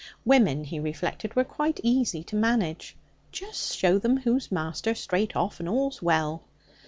Women, he reflected, were quite easy to manage. 'Just show them who's master straight off, and all's well.'